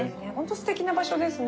すてきな場所ですね。